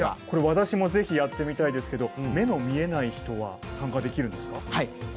私もぜひやってみたいですけど目の見えない人は参加できるんですか？